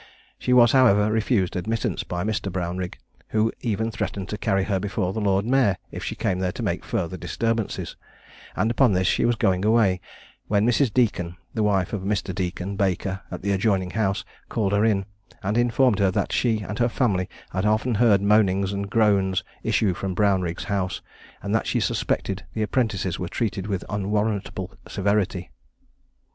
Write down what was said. She was, however, refused admittance by Mr. Brownrigg, who even threatened to carry her before the lord mayor if she came there to make further disturbances; and upon this she was going away, when Mrs. Deacon, wife of Mr. Deacon, baker, at the adjoining house, called her in, and informed her that she and her family had often heard moanings and groans issue from Brownrigg's house, and that she suspected the apprentices were treated with unwarrantable severity.